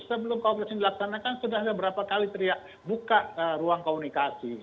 sebelum covid ini dilaksanakan sudah ada berapa kali teriak buka ruang komunikasi